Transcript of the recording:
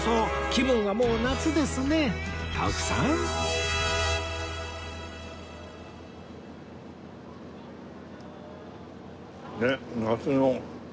気分はもう夏ですねえ徳さんねえ夏の。